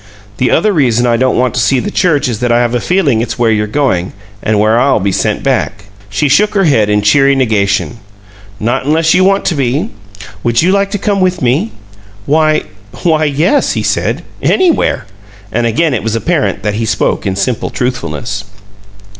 The other reason I don't want to see the church is that I have a feeling it's where you're going, and where I'll be sent back." She shook her head in cheery negation. "Not unless you want to be. Would you like to come with me?" "Why why yes," he said. "Anywhere!" And again it was apparent that he spoke in simple truthfulness.